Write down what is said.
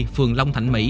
phường long thạnh mỹ